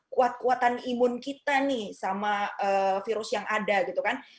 kuat kuatan imun kita nih sama virus yang ada gitu kan